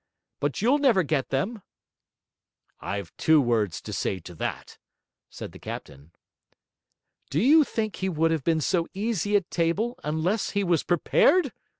'But you'll never get them!' 'I've two words to say to that,' said the captain. 'Do you think he would have been so easy at table, unless he was prepared?'